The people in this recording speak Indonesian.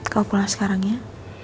kau pulang sekarang ya